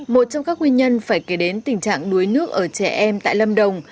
một trong các nguyên nhân phải kể đến tình trạng đuối nước ở trẻ em tại lâm đồng